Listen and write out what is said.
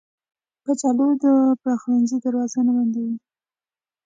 کچالو د پخلنځي دروازه نه بندوي